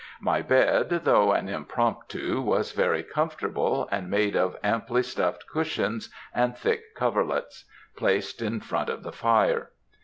My bed, though an impromptu, was very comfortable, made of amply stuffed cushions and thick coverlets, placed in front of the fire.